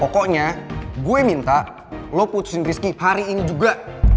pokoknya gue minta lo putusin rizky hari ini juga